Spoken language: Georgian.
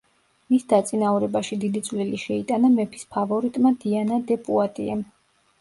მის დაწინაურებაში დიდი წვლილი შეიტანა მეფის ფავორიტმა დიანა დე პუატიემ.